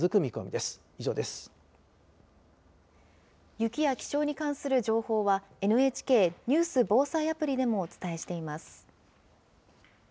雪や気象に関する情報はＮＨＫニュース・防災アプリでもお伝